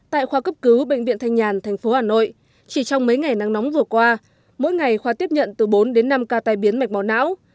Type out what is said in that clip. tại khoa cấp cứu bệnh viện thanh nhàn thành phố hà nội chỉ trong mấy ngày nắng nóng vừa qua mỗi ngày khoa tiếp nhận từ bốn đến năm ca tai biến mạch máu não